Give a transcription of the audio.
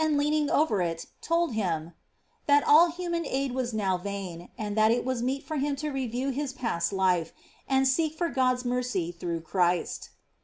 He approached the bed, and, naing over it, told him ^^ that all human aid was now vain, and that it raa meet for him to review his past life, and seek for God's mercy tuDUgh Christ."